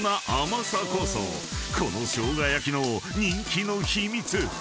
［このしょうが焼の人気の秘密］